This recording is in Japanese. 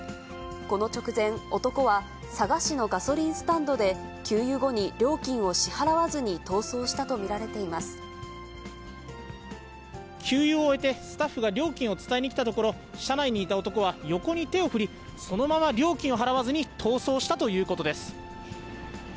この直前、男は佐賀市のガソリンスタンドで給油後に料金を支払わずに逃走し給油を終えて、スタッフが料金を伝えに来たところ、車内にいた男は横に手を振り、そのまま料金を払わずに、逃走したということです。